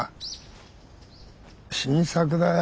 新作だよ。